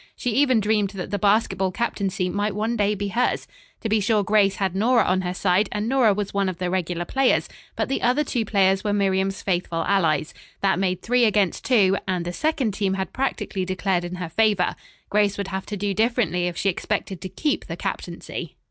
She even dreamed that the basketball captaincy might one day be hers. To be sure Grace had Nora on her side, and Nora was one of the regular players, but the other two players were Miriam's faithful allies. That made three against two, and the second team had practically declared in her favor. Grace would have to do differently if she expected to keep the captaincy.